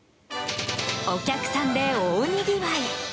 お客さんで大にぎわい！